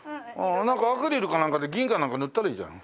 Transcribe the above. アクリルかなんかで銀かなんか塗ったらいいじゃん。